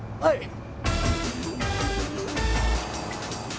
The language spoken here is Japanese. はい。